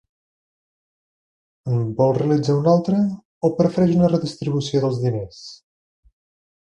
En vol realitzar una altra o prefereix una redistribució dels diners?